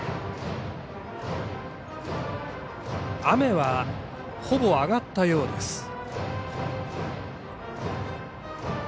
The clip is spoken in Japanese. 雨は、ほぼ上がったようです。